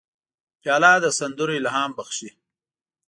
پیاله د سندرو الهام بخښي.